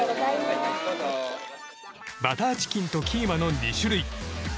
バターチキンとキーマの２種類。